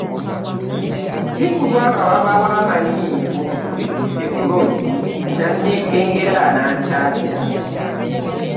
Si kulwa nga wabaawo amanyi ku bigudde ku loogi n'anneekengera n'antaaja.